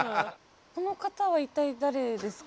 この方は一体誰ですか？